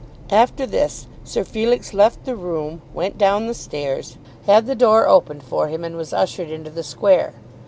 After this Sir Felix left the room, went down the stairs, had the door opened for him, and was ushered into the square.